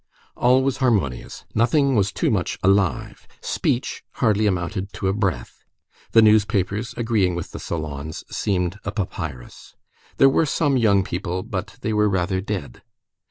All was harmonious; nothing was too much alive; speech hardly amounted to a breath; the newspapers, agreeing with the salons, seemed a papyrus. There were some young people, but they were rather dead.